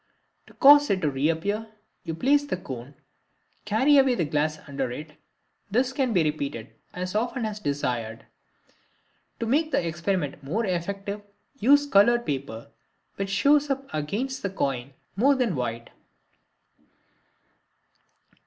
To cause it to reappear you replace the cone and carry away the glass under it. This can be repeated as often as desired. To make the experiment more effective, use colored paper, which shows up against the coin more than white.